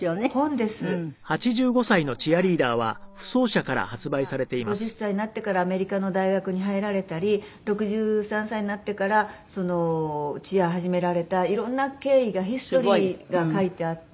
でこの本は滝野さんが５０歳になってからアメリカの大学に入られたり６３歳になってからチア始められた色んな経緯がヒストリーが書いてあって。